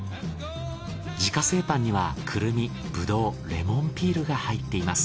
自家製パンにはクルミブドウレモンピールが入っています。